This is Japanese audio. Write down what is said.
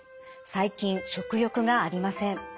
最近食欲がありません。